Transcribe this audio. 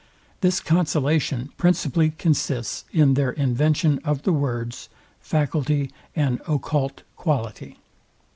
This consolation principally consists in their invention of the words: faculty and occult quality.